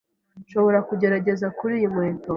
Nshobora kugerageza kuriyi nkweto?